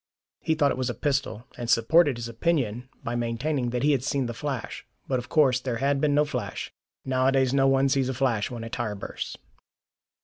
He thought it was a pistol, and supported his opinion by maintaining that he had seen the flash. But of course there had been no flash. Nowadays no one sees a flash when a tyre bursts.